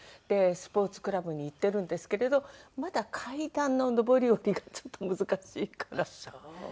スポーツクラブに行ってるんですけれどまだ階段の上り下りがちょっと難しいかなって。